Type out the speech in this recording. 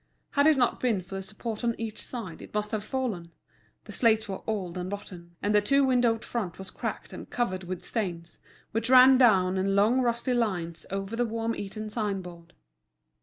Had it not been for the support on each side it must have fallen; the slates were old and rotten, and the two windowed front was cracked and covered with stains, which ran down in long rusty lines over the worm eaten sign board.